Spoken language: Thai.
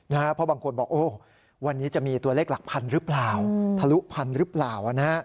เพราะบางคนบอกโอ้วันนี้จะมีตัวเลขหลักพันหรือเปล่าทะลุพันหรือเปล่า